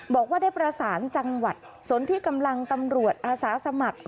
บอกว่าได้ประสานจังหวัดสนที่กำลังตำรวจอาสาสมัคร